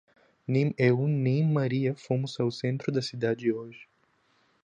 Nem eu nem Maria fomos ao centro da cidade hoje.